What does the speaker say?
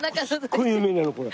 すごい有名なのこれ。